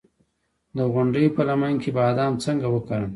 د غونډۍ په لمن کې بادام څنګه وکرم؟